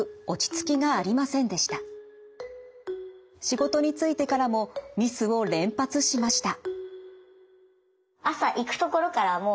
仕事に就いてからもミスを連発しました。